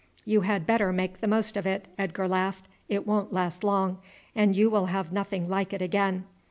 "You had better make the most of it," Edgar laughed, "it won't last long; and you will have nothing like it again.